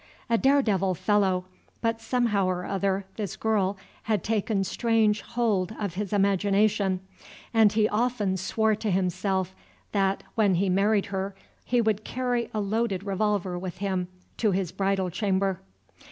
A dare devil fellow, but somehow or other this girl had taken strange hold of his imagination, and he often swore to himself, that, when he married her, he would carry a loaded revolver with him to his bridal chamber.